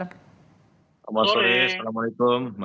selamat sore assalamu alaikum